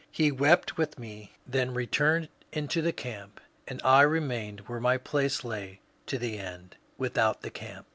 He wept with me, then returned into the camp ; and I remained where my place lay to the end —^^ without the camp."